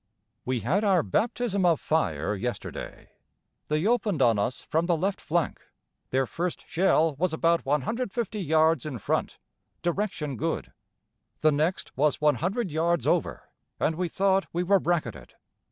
We had our baptism of fire yesterday. They opened on us from the left flank. Their first shell was about 150 yards in front direction good. The next was 100 yards over; and we thought we were bracketed.